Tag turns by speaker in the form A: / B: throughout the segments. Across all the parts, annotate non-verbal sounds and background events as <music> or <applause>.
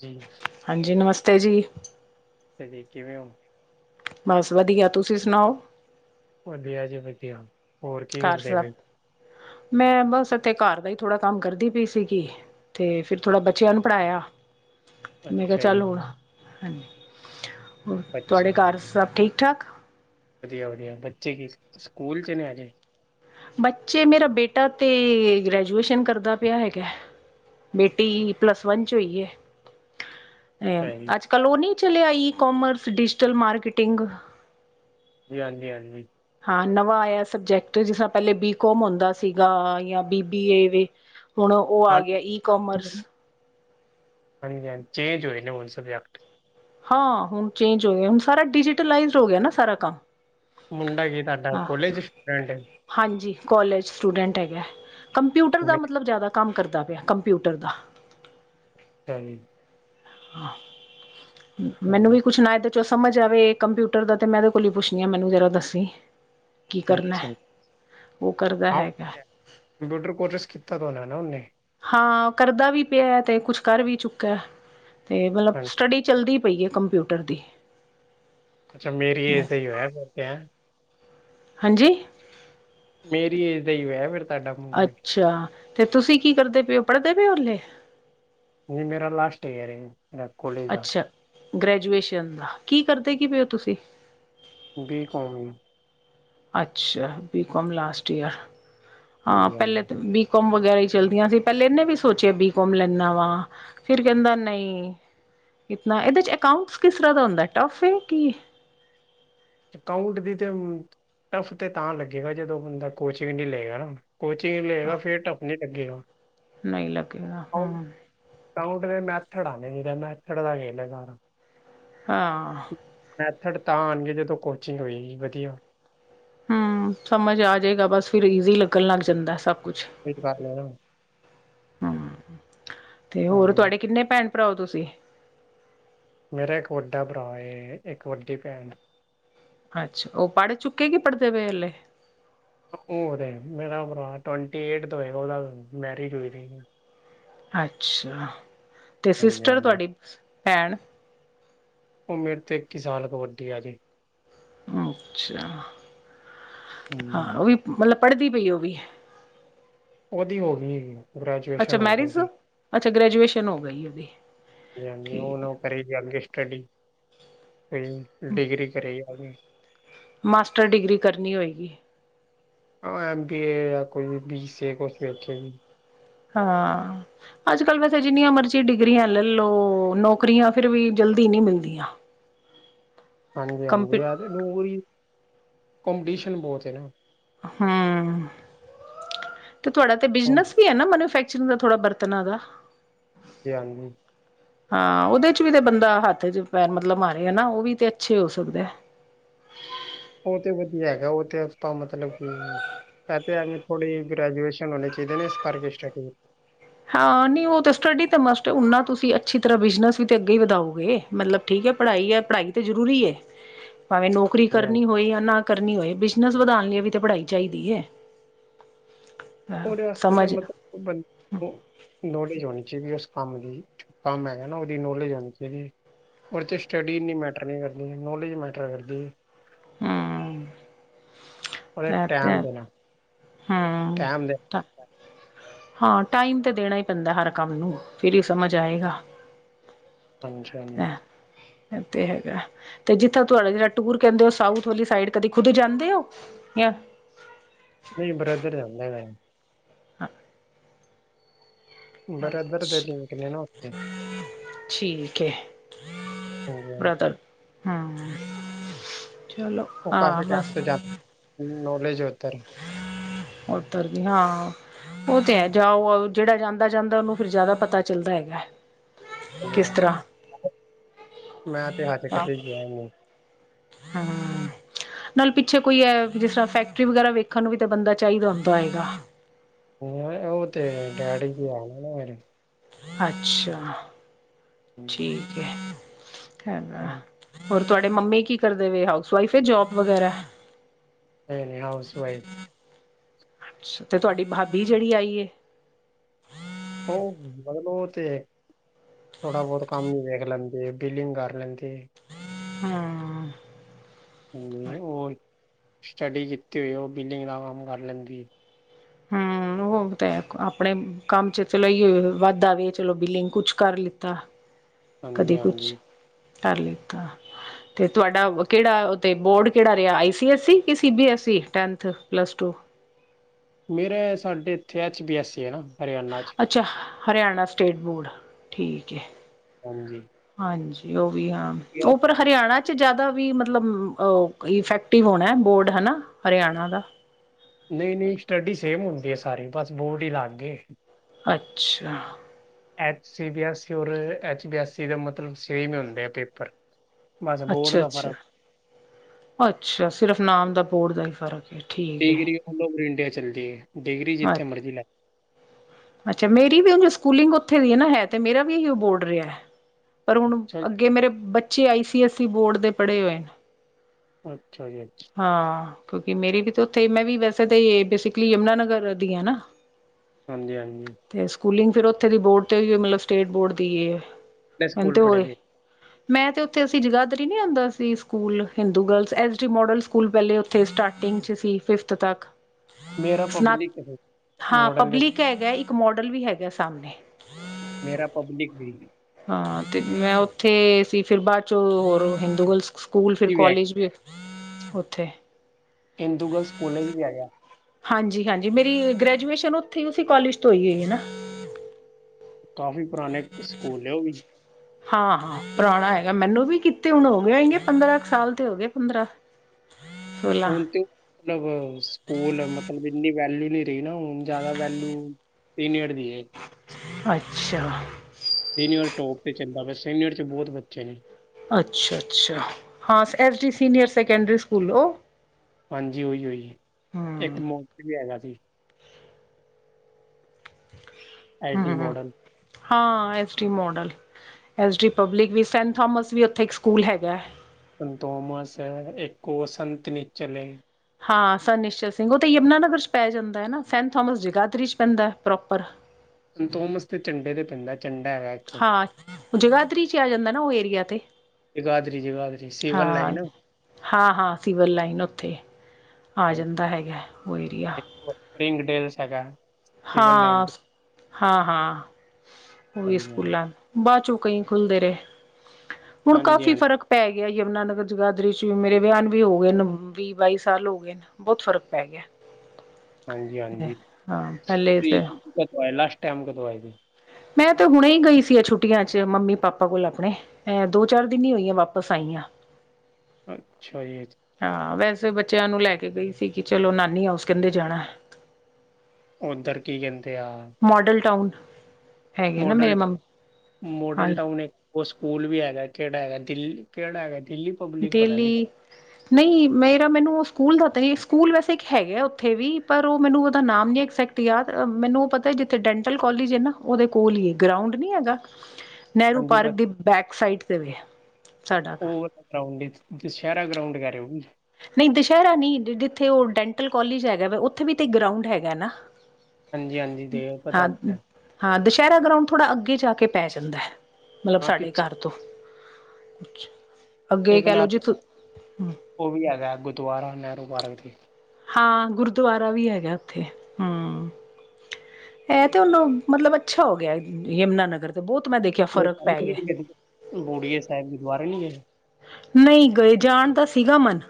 A: ਜੀ।
B: ਹਾਂਜੀ ਨਮਸਤੇ ਜੀ।
A: ਤੇ ਜੀ ਕਿਵੇਂ ਹੋ?
B: ਬਸ ਵਧੀਆ ਤੁਸੀਂ ਸੁਣਾਓ?
A: ਵਧੀਆ ਜੀ ਵਧੀਆ ਹੋਰ ਕੀ
B: ਘਰ
A: ਕਰਦੇ
B: ਸਬ,
A: ਪਏ?
B: ਮੈਂ ਬਸ ਇੱਥੇ ਘਰ ਦਾ ਹੀ ਥੋੜਾ ਕੰਮ ਕਰਦੀ ਪਈ ਸੀਗੀ। ਤੇ ਫਿਰ ਥੋੜ੍ਹਾ ਬੱਚਿਆਂ ਨੂੰ ਪੜ੍ਹਾਇਆ ਮੈਂ ਕਿਹਾ
A: ਅੱਛਾ
B: ਚੱਲ
A: ਜੀ
B: ਹੁਣ,
A: ਬੱਚ
B: ਤੁਹਾਡੇ ਘਰ ਸਭ ਠੀਕ ਠਾਕ?
A: ਵਧੀਆ-ਵਧੀਆ ਬੱਚੇ ਕੀ ਸਕੂਲ 'ਚ ਨੇ ਹਜੇ?
B: ਬੱਚੇ ਮੇਰਾ ਬੇਟਾ ਤੇ ਗ੍ਰੈਜੂਏਸ਼ਨ ਕਰਦਾ ਪਿਆ ਹੈਗਾ। ਬੇਟੀ ਪਲੱਸ ਵਨ 'ਚ ਹੋਈ ਏ।
A: ਹਾਂਜੀ
B: ਅੱਜ ਕੱਲ੍ਹ ਉਹ ਨਹੀਂ ਚਲਿਆ ਈ ਕਾਮਰਸ ਡਿਜੀਟਲ ਮਾਰਕੀਟਿੰਗ
A: ਜੀ ਹਾਂਜੀ ਹਾਂਜੀ।
B: ਹਾਂ ਨਵਾਂ ਆਇਆ ਸਬਜੈਕਟ ਜਿਸ ਤਰ ਪਹਿਲੇ ਬੀਕਮ ਹੁੰਦਾ ਸੀਗਾ ਜਾਂ ਬੀਬੀ ਏ ਵ ਹੁਣ ਉਹ
A: ਹਾਂ
B: ਆ ਗਿਆ ਈ ਕੋਮਰਸ।
A: <inaudible> ਚੇਂਜ ਹੋਏ ਨੇ ਹੂੰ ਹੁਣ ਸਬਜੈਕਟ
B: ਹਾਂ ਹੁਣ ਚੇਂਜ ਹੋ ਗਿਆ ਹੁਣ ਸਾਰਾ ਡਿਜੀਟਈਜ਼ ਹੋ ਗਿਆ ਨਾ ਸਾਰਾ ਕੰਮ
A: ਮੁੰਡਗ ਦਾ <inaudible>
B: ਹਾਂ ਹਾਂਜੀ ਕੋਲੇਜ ਸਟੂਡੈਂਟ ਹੈਗਾ ਕੰਪਿਊਟਰ ਦਾ
A: ਮੈਂ-
B: ਮਤਲਬ ਜ਼ਿਆਦਾ ਕੰਮ ਕਰਦਾ ਪਿਆ ਕੰਪਿਊਟਰ ਦਾ।
A: ਅਛਾ ਜੀ।
B: ਮੈਨੂੰ
A: ਹੂੰ
B: ਵੀ ਕੁੱਛ ਨਾ ਤੇ ਜੋ ਸਮਝ ਆਵੇ ਕੰਪਿਊਟਰ ਦਾ ਤੇ ਮੈਂ ਉਹਦੇ ਕੋਲ ਹੀ ਪੁੱਛਣੀ ਹਾਂ ਮੈਨੂੰ ਜਰਾ ਦੱਸੀ। ਕੀ ਕਰਨਾ
A: ਅੱਛਾ ਜੀ।
B: ਉਹ ਕਰਦਾ
A: ਹਾਂ
B: ਹੈਗਾ।
A: ਕੰਪਿਊਟਰ ਕੋਰਸਿਸ ਕੀਤਾ ਤਾਂ ਉਹਨਾਂ ਨਾ ਉਹਨੇ
B: ਹਾਂ ਕਰਦਾ ਵੀ ਪਿਆ ਤੇ ਕੁਛ ਕਰ ਵੀ ਚੁੱਕਾ ਤੇ ਮਤਲਬ
A: ਹਾਂਜੀ
B: ਸਟੱਡੀ ਚੱਲਦੀ ਪਈ ਹੈ ਕੰਪਿਊਟਰ ਦੀ।
A: ਅੱਛਾ ਮੇਰੀ ਏਜ ਦੇ ਹੀ ਹੋਏ ਬੱਚੇ ਐ।
B: ਹਾਂਜੀ।
A: ਮੇਰੀ ਏਜ ਦੇ ਹੀ ਹੈ ਫੇਰ।
B: ਅੱਛਾ ਤੇ ਤੁਸੀਂ ਕੀ ਕਰਦੇ ਪਏ ਹੋ ਪੜ੍ਹਦੇ ਪਏ ਹੇ ਹਲੇ।
A: ਜੀ ਮੇਰਾ ਲਾਸਟ ਯੀਅਰ ਹੈ। ਏ ਕੋਲਜ।
B: ਅੱਛਾ ਗ੍ਰੈਜੂਏਸ਼ਨ ਕੀ ਕਰਦੇ ਕੀ ਪਏ ਓ ਤੁਸੀਂ।
A: ਬੀਕੋਮ।
B: ਅੱਛਾ ਬੀਕੋਮ ਲਾਸਟ ਯੀਅਰ ਹਾਂ
A: ਹਾਂਜੀ।
B: ਪਹਿਲੇ ਤੇ ਬੀਕੋਮ ਵਗੈਰਾ ਹੀ ਚਲਦੀਆਂ ਸੀ ਪਹਿਲੇ ਇਹਨੇ ਵੀ ਸੋਚਿਆ ਬੀ ਕੌਮ ਲੈਨਾ ਵਾ ਫਿਰ ਕਹਿੰਦਾ ਨਹੀਂ। ਕਿਤਨਾ ਇਹਦੇ ਚ ਅਕਾਊਟਸ ਕਿਸ ਤਰ੍ਹਾਂ ਦਾ ਹੁੰਦਾ ਟਫ ਏ ਕਿ ਐ।
A: ਅਕਾਊਂਟ ਦੀ ਤਾਂ ਟਫ ਤੇ ਤਾਂ ਲੱਗੇਗਾ ਜਦੋਂ ਬੰਦਾ ਕੋਚਿੰਗ ਨਹੀਂ ਲਏਗਾ ਨਾ। ਕੋਚਿੰਗ ਲਏਗਾ ਫੇਰ ਟੱਫ ਨਹੀਂ ਲੱਗੇਗਾ।
B: ਨਹੀਂ ਲੱਗੇਗਾ ਹਾ।
A: ਕਾਊਂਟ ਦੇ ਮੈਥਡ ਆਂਦੇ ਮੈਥਡ ਦਾ ਖੇਲ ਏ ਸਾਰਾ।
B: ਹਾਂ।
A: ਮੈਥਡ ਤਾਂ ਆਉਣਗੇ ਜਦੋਂ ਕੋਚਿੰਗ ਹੋਏਗੀ ਵਧੀਆ।
B: ਹੂੰ ਸਮਝ ਆ ਜਾਏਗਾ ਬਸ ਫਿਰ ਈਜ਼ੀ ਲੱਗਣ ਲੱਗ ਜਾਂਦਾ ਸਭ ਕੁੱਛ
A: ਸਹੀ ਗੱਲ ਹੈ ਨਾ
B: ਹੂੰ ਤੇ ਹੋਰ
A: ਹਾਂਜੀ
B: ਤੁਹਾਡੇ ਕਿੰਨੇ ਭੈਣ ਭਰਾ ਓ ਤੁਸੀਂ।
A: ਮੇਰਾ ਇੱਕ ਵੱਡਾ ਭਰਾ ਇੱਕ ਵੱਡੀ ਭੈਣ।
B: ਅੱਛਾ ਉਹ ਪੜ ਚੁੱਕੇ ਕੀ ਪੜ੍ਹਦੇ ਪਏ ਅਲੇ।
A: ਉਹ ਤੇ ਮੇਰਾ ਭਰਾ ਟਵੰਟੀ ਏਟ ਹੋਏਗਾ ਉਹਦਾ ਮੈਰਿਜ ਹੋਈ ਪਈ ਦੀ ਏ।
B: ਅੱਛਾ ਤੇ
A: ਹਾਂਜੀ
B: ਸਿਸਟਰ
A: ਹਾਂਜੀ
B: ਤੁਹਾਡੀ ਭੈਣ।
A: ਉਹ ਮੇਰੇ ਤੋਂ ਇੱਕ ਕੁ ਸਾਲ ਵੱਡੀ ਹੈ ਜੀ।
B: ਅੱਛਾ
A: ਹੂੰ
B: ਹਾਂ ਉਹ ਵੀ ਮਤਲਬ ਪੜ੍ਹਦੀ ਪਈ ਉਹ ਵੀ।
A: ਉਹਦੀ ਹੋ ਗਈ ਹੈ। ਗ੍ਰੈਜੂਏਸ਼ਨ
B: ਅੱਛਾ
A: ਹੋ ਗਈ
B: ਮੈਰਿਜ
A: ਉਹਦੀ
B: ਅੱਛਾ ਗ੍ਰੈਜੂਏਸ਼ਨ ਹੋ ਗਈ ਉਹਦੀ
A: ਯਾ
B: ਠੀਕ ਹੈ
A: ਨਿਊ ਕਰੀ ਜਾਗੇ ਸਟੱਡੀ ਤੇ ਡਿਗਰੀ ਕਰੇਗੀ ਅਗੇ।
B: ਮਾਸਟਰ ਡਿਗਰੀ ਕਰਨੀ ਹੋਏਗੀ।
A: ਹਾ ਐਮ ਬੀਏ ਯਾ ਕੋਈ ਵੀ ਬੀਸੀਏ ਕੁਝ ਵੀ ਰੱਖੇਗੀ।
B: ਹਾਂ। ਅੱਜ ਕੱਲ ਵੈਸੇ ਜਿੰਨੀਆਂ ਮਰਜ਼ੀ ਡਿਗਰੀਆਂ ਲੈ ਲਓ ਨੌਕਰੀਆਂ ਫਿਰ ਵੀ ਜਲਦੀ ਨਹੀਂ ਮਿਲਦੀਆਂ।
A: ਹਾਂਜੀ-ਹਾਂਜੀ
B: ਕੰਪੀ
A: ਆ ਤੇ ਓਹੀ ਕੰਪਟੀਸ਼ਨ ਬਹੁਤ ਹੈ ਨਾ।
B: ਹੂੰ ਤੇ ਤੁਹਾਡਾ ਤੇ ਬਿਜਨਸ
A: ਹਾਂਜੀ
B: ਵੀ ਹੈ ਨਾ ਮਨੁਫ਼ੈਕਚਰਿੰਗ ਦਾ ਥੋੜਾ ਬਰਤਨਾ ਦਾ।
A: ਜੀ ਹਾਂ ਜੀ।
B: ਹਾਂ ਉਹਦੇ ਚ ਵੀ ਤੇ ਬੰਦਾ ਹੱਥ ਚ ਪੈਰ ਮਤਲਬ ਮਾਰੇ ਆ ਨਾ ਉਹ ਵੀ ਤੇ ਅੱਛੇ ਹੋ ਸਕਦੇ ਨੇ।
A: ਉਹ ਤੇ ਵਧੀਆ ਹੈਗਾ ਉਹ ਤੇ ਤਾਂ ਮਤਲਬ ਕਿ ਐ ਤੇ ਐਵੇ ਥੋੜੀ ਗ੍ਰੈਜੂਏਟ ਹੋਣੀ ਚਾਹੀਦੀ ਆ ਇਸ ਕਰਕੇ <unintelligible>
B: ਹਾਂ ਨਹੀਂ ਉਹ ਤੇ ਸਟੱਡੀ ਤੇ ਮਸਟ ਐ, ਉਨਾ ਤੁਸੀਂ ਅੱਛੀ ਤਰ੍ਹਾਂ ਬਿਜਨਸ ਵੀ ਤੇ ਅੱਗੇ ਵਧਾਓਗੇ। ਮਤਲਬ ਠੀਕ ਹੈ ਪੜ੍ਹਾਈ ਹੈ ਪੜ੍ਹਾਈ ਤੇ ਜ਼ਰੂਰੀ ਹੈ, ਭਾਵੇਂ ਨੌਕਰੀ ਕਰਨੀ ਹੋਈ ਯਾ ਨਾ। ਕਰਨੀ ਹੋਏ, ਬਿਜਨਸ ਵਧਾਉਣ ਲਈ ਵੀ ਤੇ ਪੜ੍ਹਾਈ ਚਾਹੀਦੀ ਹੈ। ਹਾਂ
A: ਉਹਦੇ ਵਾਸਤੇ ਤਾਂ
B: ਸਮਝ
A: ਮਤਲਬ, ਬ ਨੌਲੇਜ ਹੋਣੀ। ਜਿਵੇਂ ਉਸ ਕੰਮ ਦੀ, ਕੰਮ ਹੈਗਾ ਨਾ ਉਹਦੀ ਨੋਲੇਜ ਹੋਣੀ ਚਾਹੀਦੀ। ਉਹਦੇ ਚ ਸਟੱਡੀ ਇੰਨੀ ਮੈਟਰ ਨਹੀਂ ਕਰਦੀ ਨੌਲੇਜ ਮੈਟਰ ਕਰਦੀ।
B: ਹੂੰ।
A: ਉਹ ਦੇ ਟਾਈਮ ਦੇਣਾ,
B: ਹਮ
A: ਟਾਈਮ ਦੇ।
B: ਤਾਂ ਹਾਂ ਟਾਈਮ ਤੇ ਦੇਣਾ ਹੀ ਪੈਂਦਾ ਹਰ ਕੰਮ ਨੂੰ, ਫਿਰ ਹੀ ਸਮਝ ਆਏਗਾ।
A: ਹਾਂਜੀ- ਹਾਂਜੀ।
B: ਐ ਤੇ ਹੈਗਾ। ਤੇ ਜਿੱਥਾਂ ਤੁਹਾਡਾ ਜਿਹੜਾ ਟੂਰ ਕਹਿੰਦੇ ਸਾਊਥ ਵਾਲੀ ਸਾਈਡ, ਕਦੀ ਖੁਦ ਜਾਂਦੇ ਹੋ, ਯਾ
A: ਨਹੀਂ ਬ੍ਰਦਰਰ ਹੈ, ਲੈ
B: ਹਾਂ। ਅੱਛਾ,
A: ਉੱਥੇ
B: ਠੀਕ ਹੈ।
A: ਹਾਂਜੀ ਹਾਂਜੀ
B: ਬ੍ਰਦਰ ਹਾਂ ਚਲੋ ਹਾਂ, ਬਸ।
A: <inaudible> ਹ ਨੋਲੇਜ ਹੋਥਾਰ
B: ਔ ਤਰ ਦਿਆਂ ਹਾਂ। ਉਹ ਤੇ ਹੈ ਜਾਓ ਆਉ, ਜਿਹੜਾ ਜਾਂਦਾ- ਜਾਂਦਾ ਉਹਨੂੰ ਫਿਰ ਜ਼ਿਆਦਾ ਪਤਾ ਚੱਲਦਾ ਹੈਗਾ। ਕਿਸ
A: ਗਯਾ
B: ਤਰ੍ਹਾਂ
A: ਹੈ, ਮੈਂ ਤੇ ਆਜ ਤਕ ਗਿਆ ਨਹੀ।
B: ਹੂ ਨਾਲ ਪਿੱਛੇ ਕੋਈ ਹੈ, ਜਿਸ ਤਰ੍ਹਾਂ ਫੈਕਟਰੀ ਵਗੈਰਾ ਵੇਖਣ ਨੂੰ ਵੀ ਤਾਂ ਬੰਦਾ ਚਾਹੀਦਾ ਹੁੰਦਾ ਹੈਗਾ।
A: ਹੈ, ਔ ਤੇ ਹੈ, ਡੈਡੀ ਜੀ ਆਣਗੇ ਨਾ ਮੇਰੇ।
B: ਅੱਛਾ,
A: ਹਮ।
B: ਠੀਕ ਹੈ, ਹੈਗਾ। ਹੋਰ ਤੁਹਾਡੇ ਮੰਮੀ ਕੀ ਕਰਦੇ ਵ, ਹਾਊਸ ਵਾਇਫ ਹੈ ਜੋਬ ਵਗੈਰਾ।
A: ਨਹੀਂ -ਨਹੀਂ ਹਾਊਸ ਵਾਈਫ।
B: ਅੱਛਾ। ਤੇ ਤੁਹਾਡੀ ਭਾਬੀ ਜਿਹੜੀ ਆਈ ਏ।
A: ਔ, ਮਤਲਬ ਔ ਤੇ ਹੈ ਥੋੜਾ ਬਹੁਤ ਕੰਮ ਹੀ ਵੇਖ ਲੈਂਦੀ ਏ, ਬਿੱਲਿੰਗ ਕਰ ਲੈਂਦੀ ਏ।
B: ਹਾਂ
A: ਨਹੀ, ਔ ਸਟੱਡੀ ਕੀਤੀ ਹੋਈ ਐ, ਔ ਬਿਲਿੰਗ ਦਾ ਕੰਮ ਕਰ ਲੈਂਦੀ ਹੈ।
B: ਹਮ ਉਹ ਤੇ ਹੈ, ਆਪਣੇ ਕੰਮ ਚ' ਚਲੋ ਵਾਧਾ ਵੀ ਹੈ, ਚਲੋ ਬਿੱਲਿੰਗ ਕੁਛ ਕਰ ਲਿੱਤਾ। ਕਦੀ
A: ਹਾਂਜੀ
B: ਕੁਛ,
A: ਹਾਂਜੀ
B: ਕਰ ਲਿੱਤਾ। ਤੇ ਤੁਹਾਡਾ ਕਿਹੜਾ ਉਤੇ ਬੋਰਡ ਕਿਹੜਾ ਰਿਹਾ ਆਈ ਸੀ ਐੱਸ ਸੀ, ਕਿ C B S E tenth, plus two.
A: ਮੇਰੇ ਸਾਡੇ ਇੱਥੇ ਏਚ, ਬੀ, ਐੱਸ, ਸੀ, ਐ ਨਾ ਹਰਿਆਣਾ 'ਚ।
B: ਅੱਛਾ। ਹਰਿਆਣਾ ਸਟੇਟ ਬੋਰਡ, ਠੀਕ ਹੈ।
A: ਹਾਂਜੀ।
B: ਹਾਂਜੀ। ਉਹ ਵੀ ਹਾਂ। ਉਹ ਪਰ ਹਰਿਆਣਾ ਜਿਆਦਾ ਵੀ ਮਤਲਬ, ਇਫੈਕਟਿਵ ਹੋਣਾ ਬੋਰਡ ਹੈਨਾ। ਹਰਿਆਣਾ ਦਾ।
A: ਨਹੀਂ- ਨਹੀਂ ਸਟੱਡੀ ਸੇਮ ਹੁੰਦੀ ਹੈ ਸਾਰੀ, ਬਸ ਬੋਰਡ ਹੀ ਅਲੱਗ ਏ।
B: ਅੱਛਾ!
A: ਐ ਸੀ ਬੀ, ਐੱਸ ਈ ਔਰ, ਐੱਚ ਬੀ ਐੱਸ ਈ, ਦੇ ਮਤਲਬ ਸੇਮ ਹੁੰਦੇ ਆ ਪੇਪਰ। ਬਸ ਬੋਰਡ
B: ਅੱਛਾ-
A: ਦਾ
B: ਅੱਛਾ
A: ਫਰਕ
B: -ਅੱਛਾ ਸਿਰਫ ਨਾਮ ਦਾ, ਬੋਰਡ ਦਾ ਹੀ ਫ਼ਰਕ ਹੈ, ਠੀਕ ਹੈ।
A: ਡਿਗਰੀ ਆਲ ਔਵਰ ਇੰਡੀਆ ਚੱਲਦੀ ਏ, ਡਿਗਰੀ
B: ਅੱ
A: ਜਿੱਥੇ ਮਰਜ਼ੀ ਲੈ।
B: ਅੱਛਾ। ਮੇਰੀ ਵੀ ਉਹ ਸਕੂਲਿੰਗ ਉੱਥੇ ਹੋਈ ਹੈ ਨਾ, ਹੈ ਤੇ, ਮੇਰਾ ਵੀ ਅਹਿਯੋ ਬੋਡ ਰਿਹਾ ਹੈ। ਪਰ ਹੁਣ
A: ਅੱਛਾ ਜੀ,
B: ਅੱਗੇ ਮੇਰੇ ਬੱਚੇ ਆਈ ਸੀ ਐਸ ਸੀ, ਬੋਰਡ ਦੇ ਪੜ੍ਹੇ ਹੋਏ ਨੇ।
A: ਅੱਛਾ ਜੀ, ਅੱਛਾ।
B: ਹਾਂ। ਕਿਉਂਕਿ ਮੇਰੀ ਵੀ ਤਾਂ ਉੱਥੇ ਈ, ਮੈਂ ਵੀ ਵੈਸੇ ਤਾਂ ਬੇਸਿਕਲੀ ਯਮੁਨਾਾਨਗਰ ਦੀ ਹੈ ਨਾ। <inaudible>
A: ਹਾਂਜੀ- ਹਾਂਜੀ।
B: ਤੇ ਸਕੂਲਿੰਗ ਫਿਰ ਥੇ ਦੀ ਬੋਰਡ ਤੇ ਮ ਸਟੇਟ ਬੋਰਡ ਦੀ
A: ਕਿਹੜੇ ਸਕੂਲ
B: ਤੇ
A: ਪੜ੍ਹੇ
B: ਹੋਏ।
A: ਜੀ
B: ਮੈਂ ਤੇ ਉੱਥੇ ਅਸੀਂ ਜਗਾਦਾਰੀ ਹੀ ਨੀ ਆਉਂਦਾ ਸੀ school Hindu girls S D model. School ਪਹਿਲੇ ਉੱਥੇ ਸਟਾਰਟਿੰਗ ਚ ਸੀ ਫਿਫਥ ਤੱਕ।
A: ਮੇਰਾ
B: ਸਨਾ
A: ਪਬਲਿਕ ਹੈ
B: ਹਾਂ
A: ਮੋਡਲ।
B: ਪਬਲਿਕ ਹੈਗਾ। ਇੱਕ ਮੋਡਲ ਵੀ ਹੈਗਾ ਸਾਹਮਣੇ।
A: ਮੇਰਾ ਪਬਲਿਕ ਵੀ
B: ਹਾਂ। ਤੇ ਮੈਂ ਉੱਥੇ ਸੀ, ਫਿਰ ਬਾਅਦ ਚੋਂ' ਹੋਰ ਹਿੰਦੂਗਰਲ ਸਕੂਲ, ਫਿਰ
A: ਜੀ ਹੈ,
B: ਕੋਾਲਜ ਵੀ। ਉੱਥੇ।
A: ਇਦੂ ਗਰਲਸ ਕੋਲੇਜ ਵੀ ਆਇਆ।
B: ਹਾਂਜੀ ਹਾਂਜੀ ਮੇਰੀ ਗ੍ਰੈਜੂਏਸ਼ਨ ਉੱਥੇ ਕੋਾਲਜ ਤੋਂ ਹੋਈ ਹੋਈ ਹੈ ਨਾ।
A: ਕਾਫੀ ਪੁਰਾਣੇ ਸਕੂਲ ਨੇ ਉਹ ਵੀ।
B: ਹਾਂ ਹਾਂ ਪੁਰਾਣਾ ਹੈਗਾ ਮੈਨੂੰ ਵੀ ਕੀਤੇ ਹੁਣ ਹੋ ਗਏ ਪੰਦਰਾਂ ਕੁ ਸਾਲ ਤੇ ਹੋ ਗਏ ਪੰਦਰਾਂ। ਸੋਲਾਂ
A: ਹੁਣ ਤੇ ਮਤਲਬ ਸਕੂਲ ਮਤਲਬ ਇੰਨੀ ਵੈਲਿਊ ਨੀ ਰਹੀ ਨਾ ਹੁਣ ਜ਼ਿਆਦਾ ਵੈਲਊ ਸੀਨੀਅਰ ਦੀ ਹੈ।
B: ਅੱਛਾ।
A: ਸੀਨੀਅਰ ਟੋਪ ਤੇ ਚੱਲਦਾ ਪਿਆ ਸੀਨੀਅਰ ਚ ਬਹੁਤ ਬੱਚੇ ਨੇ।
B: ਅੱਛਾ ਅੱਛਾ ਹਾਂ S D senior secondary school ਹੋ।
A: ਹਾਂਜੀ ਉਹੀ ਹੋ ਇੱਕ
B: ਹਮ
A: ਮੋਤ ਵੀ ਹੈਗਾ ਸੀ। ਆਈਟੀ
B: ਹਮ।
A: ਮੋਡਲ
B: ਹਾਂ S D model S D public ਵੀ ਸੈਂਟ ਥੋਾਮਸ ਵੀ ਉੱਥੇ ਇੱਕ ਸਕੂਲ ਹੈਗਾ ਹੈ।
A: ਸੰ ਥੋਮਸ ਹੈ ਇੱਕੋ ਸੰਤ ਨੀ ਚਲੇ।
B: ਹਾਂ ਸੰ ਨਿਸ਼ਲ ਸਿੰਘ ਉਹ ਤਾਂ ਯਮੁਨਾਾਨਗਰ ਚ ਪੈ ਜਾਂਦਾ ਹੈ ਨਾ ਸੈਂਟ ਥੋਮਸ ਜਗਾਾਧਰੀ ਚ ਪੈਂਦਾ ਹੈ ਪ੍ਰੋਪਰ।
A: ਸੰਤੋਮਸ ਤੇ ਡੰਡੇ ਤੇ ਪੈਂਦਾ ਝੰਡਾ ਹੈਗਾ ਇੱਕ।
B: ਹਾਂ ਜਗਾਦਰੀ ਚ ਆ ਜਾਂਦਾ ਨਾ ਉਹ ਏਰੀਆ ਤੇ।
A: ਜਗਾਧਰੀ ਜਗਾਧਰੀ
B: ਹਾਂ ਹਾਂ ਹਾਂ ਸਿਵਲ ਲਾਈਨ ਉੱਥੇ। ਆ ਜਾਂਦਾ ਹੈਗਾ ਉਹ ਏਰੀਆ।
A: ਪਿੰਗ ਡੇਲ ਸਗਾ।
B: ਹਾਂ ਹਾਂ ਹਾਂ ਉਹ ਵੀ
A: ਹਾਂਜੀ ਹਾਂਜੀ
B: ਸਕੂਲਾਂ ਬਾਅਦ ਚੋਂ ਕਈ ਖੁੱਲਦੇ ਰਹੇ ਹੁਣ ਕਾਫ਼ੀ
A: ਹਾਂਜੀ
B: ਫ਼ਰਕ ਪੈ ਗਿਆ ਯਮੁਨਾਨਕ ਜਗਾਦਰੀ ਚ ਵੀ ਮੇਰੇ ਵਿਆਨ ਵੀ ਹੋ ਗਏ ਨੇ ਵੀਹ ਬਾਈ ਸਾਲ ਹੋ ਗਏ ਨੇ। ਬਹੁਤ ਫ਼ਰਕ ਪੈ ਗਿਆ।
A: ਹਾਂਜੀ ਹਾਂਜੀ
B: ਹਾਂ ਪਹਿਲੇ
A: ਤੇ ਕੋਂ ਆਏ ਲਾਸਟ ਟਾਈਮ ਕਦੋਂ ਆਏ?
B: ਮੈਂ ਤੇ ਹੁਣੇ ਹੀ ਗਈ ਸੀ ਆ ਛੁੱਟੀਆਂ ਚ। ਤੇ ਮੰਮੀ ਪਾਪਾ ਕੋਲ ਆਪਣੇ ਦੋ ਚਾਰ ਦਿਨ ਹੀ ਹੋਈਆਂ ਵਾਪਸ ਆਈਆਂ।
A: ਅੱਛਾ ਯਥ।
B: ਹਾਂ ਵੈਸੇ ਬੱਚਿਆਂ ਨੂੰ ਲੈ ਕੇ ਗਈ ਸੀ ਕਿ ਚਲੋ ਨਾਨੀ ਹਾਊਸ ਕਹਿੰਦੇ ਜਾਣਾ।
A: ਉੱਧਰ ਕੀ ਕਹਿੰਦੇ ਆ।
B: Model town. ਹੈਗੇ ਨਾ
A: ਮੋਡਲ
B: ਮੇਰੇ ਮੰਮੀ
A: ਮੋਡਲ
B: ਹਾਂਜੀ
A: ਟਾਊਨ ਇੱਕ ਉਹ ਸਕੂਲ ਵੀ ਹੈਗਾ ਕਿਹੜਾ ਹੈਗਾ ਦਿੱਲੀ ਕਿਹੜਾ ਹੈਗਾ ਦਿੱਲੀ। ਪਬਲਿਕ ਪਤਾ
B: ਦਿੱਲੀ।
A: ਨੀ
B: ਨਹੀਂ ਮੇਰਾ ਮੈਨੂੰ ਉਹ ਸਕੂਲ ਦਾ ਤਾਂ ਨਹੀਂ ਸਕੂਲ ਵੈਸੇ ਇੱਕ ਹੈਗੇ ਆ ਉੱਥੇ ਵੀ ਪਰ ਉਹ ਮੈਨੂੰ ਉਹਦਾ ਨਾਮ ਨਹੀਂ ਐਗਜੈਕਟ ਯਦ ਮੈਨੂੰ ਉਹ ਪਤਾ ਜਿੱਥੇ ਡੈਂਟਲ ਕਲਜ ਹੈ ਨਾ ਉਹਦੇ ਕੋਲ ਹੀਈ ਗਰਾਊਂਡ ਨਹੀਂ ਹੈਗਾ। ਨਹਿਰੂ
A: ਹਾਂਜੀ
B: ਪਾਰਕ ਦੀ
A: ਪਤਾ
B: ਬੈਕ ਸਾਈਡ ਤੇ ਵੇ। ਸਾਡਾ ਘਰ
A: ਉਹ ਗ ਦਸਹਿਰਾ ਗਰਾਡੈ ਉਹ ਵੀ
B: ਨਹੀਂ ਦੁਸਹਿਰਾ ਨ ਜਿੱਥੇ ਉਹ ਡੈਂਟਲ ਕੋਾਲਜ ਹੈਗਾ ਵ ਉੱਥੇ ਵੀ ਤੇ ਗਰਾਂਡ ਹੈਗਾ।
A: ਹਾਂਜੀ ਹਾਂਜੀ ਦੇ
B: ਹਾਂ
A: ਪਤਾ।
B: ਹਾਂ ਦੁਸਹਿਰਾ ਗਰਾਊਂਡ ਥੋੜ੍ਹਾ ਅੱਗੇ ਜਾ ਕੇ ਪੈ ਜਾਂਦਾ ਹੈ ਮਤਲਬ
A: ਹਾਂ
B: ਸਾਡੇ
A: ਪਿੱਛੇ
B: ਘਰ ਤੋਂ। ਅੱਗੇ
A: ਇੱਕ
B: ਕਹਿ ਲੋੋ
A: ਨਹਿਰ
B: ਜੀ।
A: ਉਹ ਵੀ ਹੈਗਾ ਗੁਰਦੁਆਰਾ ਨਹਿਰੂ ਪਾਰਕ ਦੀ।
B: ਹਾਂ ਗੁਰਦੁਆਰਾ ਵੀ ਹੈਗਾ ਉੱਥੇ ਹੂੰ, ਇਹ ਤੇ ਹੁਣ ਮਤਲਬ ਅੱਛਾ ਹੋ ਗਿਆਮ ਯਮੁਨਾਨਗਰ ਤੇ ਬਹੁਤ ਮੈਂ ਦੇਖਿਆ ਫ਼ਰਕ ਪੈ ਗਿਆ।
A: <unintelligible> ਸਾਹਿਬ ਦੀ ਦੁਆਰੇ ਈ ਨੀ।
B: ਨਹੀਂ ਗਏ ਜਾਣ ਦਾ ਸੀਗਾ ਮਨ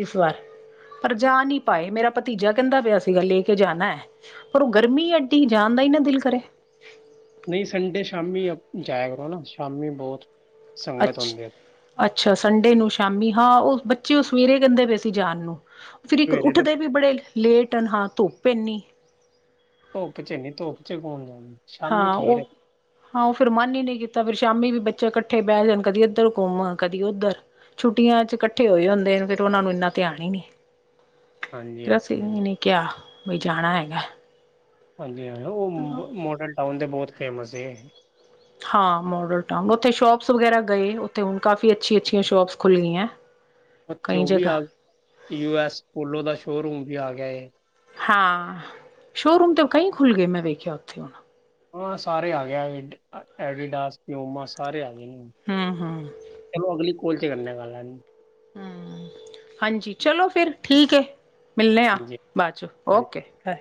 B: ਇਸ ਵਾਰ। ਪਰ ਜਾ ਨੀ ਪਾਏ ਮੇਰਾ ਭਤੀਜਾ ਕਹਿੰਦਾ ਪਿਆ ਸੀਗਾ ਲੈ ਕੇ ਜਾਣਾ। ਪਰ ਉਹ ਗਰਮੀ ਐਡੀ ਜਾਣ ਦਾ ਹੀ ਨਾ ਦਿਲ ਕਰੇ।
A: ਨਹੀਂ, ਸੰਡੇ ਸ਼ਾਮੀ ਜਾਏ ਕਰੋ ਨਾ ਸ਼ਾਮੀ ਬਹੁਤ ਸੰਗਤ
B: ਅੱਛ,
A: ਹੁੰਦੀ ਹੈ
B: ਅੱਛਾ, ਸੰਡੇ ਨੂੰ ਸ਼ਾਮੀ ਹਾਂ ਉਹ ਬੱਚੇ ਉਹ ਸਵੇਰੇ ਕਹਿੰਦੇ ਪਏ ਸੀ ਜਾਣ ਨੂੰ ਫਿਰ ਇੱਕ
A: ਸਵੇਰੇ ਤੇ
B: ਉਠਦੇ ਵੀ ਬੜੇ ਲੇਟ ਹਾਂ ਧੁੱਪ ਇਨੀ
A: ਧੁੱਪ ਚ ਨੀ ਧੁੱਪ ਚ ਕੌਣ ਜਾਣੀ
B: ਹਾਂ ਉਹ- ਹਾਂ, ਉਹ ਫਿਰ ਮਨ ਹੀ ਨਹੀਂ ਕੀਤਾ ਫਿਰ ਸ਼ਾਮੀ ਵੀ ਬੱਚੇ ਇਕਠੇ ਬਹਿ ਜਾਣ ਕਦੀ ਇਧਰ ਘੁੰਮ ਕਦੀ ਉਧਰ ਛੁੱਟੀਆਂ 'ਚ ਇਕੱਠੇ ਹੋਏ ਹੁੰਦੇ ਨੇ ਫਿਰ ਉਹਨਾ ਨੂੰ ਇਨਾ ਧਿਆਨ ਹੀ ਨਹੀ।
A: ਹਾਂਜੀ
B: ਫਿਰ ਅਸੀਂ
A: ਹਾਂਜੀ ਹਾਂਜੀ
B: ਨੀ ਕਿਹਾ ਬਈ ਜਾਣਾ ਹੈਗਾ।
A: ਹਾਂਜੀ ਹਾਂ, ਉਹ ਮੋਡਲ ਟਾਊਨ ਦੇ ਬਹੁਤ ਫੇਮਸ ਏ।
B: ਹਾਂ, ਮੋਡਲ ਟਾ ਉਥੇ ਸ਼ੋਪਸ ਵਗੈਰਾ ਗਏ ਉਥੇ ਹੁਣ ਕਾਫੀ ਅੱਛੀ ਅੱਛੀਆਂ ਸ਼ੋਪਸ ਖੁਲ ਗਈਆਂ।
A: ਉਥੇ
B: ਕਈ
A: ਓ ਵੀ
B: ਜਗ੍ਹਾ
A: ਆ ਯੂਐਸ ਪੋਲੋ ਦਾ ਸ਼ੋਅਰੂਮ ਵੀ ਆ ਗਿਆ ਏ।
B: ਹਾਂ, ਸ਼ੋਅਰੂਮ ਤੇ ਕਈ ਖੁਲ ਗਏ ਮੈ ਵੇਖਿਆ ਉਥੇ ਹੁਣ।
A: ਹਾਂ, ਸਾਰੇ ਆ ਗ ਐਡੀਡਾਸ, ਪਿਓਮਾ ਸਾਰੇ ਆ ਗਏ ਨੇ
B: ਹੂੰ ਹੂੰ,
A: ਚਲੋ ਅਗਲੀ ਕੋਲ ਚ ਕਰਨੇ ਗੱਲ
B: ਹਾਂ, ਹਾਂਜੀ ਚਲੋ ਫਿਰ ਠੀਕ ਐ ਮਿਲੇ ਆ
A: ਹਾਂਜੀ ਹਾਂਜੀ
B: ਬਾਅਦ 'ਚ ਓਕੇ। <inaudible>